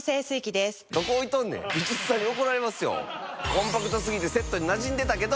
コンパクト過ぎてセットになじんでたけど！